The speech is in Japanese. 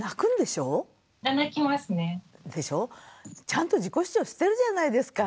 ちゃんと自己主張してるじゃないですか。